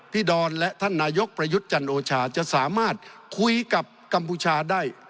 ดอนและท่านนายกประยุทธ์จันโอชาจะสามารถคุยกับกัมพูชาได้